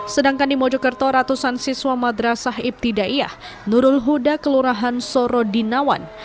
sedangkan di mojokerto ratusan siswa madrasah ibtidaiyah nurul huda kelurahan sorodinawan